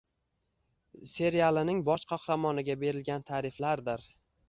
serialining bosh qahramoniga berilgan ta’riflardir.